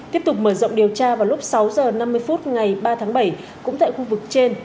tiếp tục mở rộng điều tra vào lúc sáu h năm mươi phút ngày ba tháng bảy cũng tại khu vực trên